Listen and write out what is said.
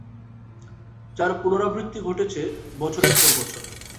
যার পুনরাবৃত্তি ঘটেছে বছরের পর বছর।